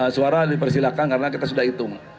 suara dipersilakan karena kita sudah hitung